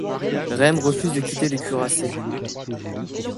Rem refuse de quitter le cuirassé.